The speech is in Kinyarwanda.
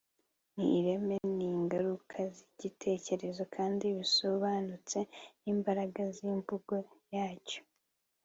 ni ireme ningaruka zigitekerezo kandi bisobanutse nimbaraga zimvugo yacyo